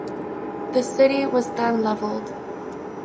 The city was then leveled.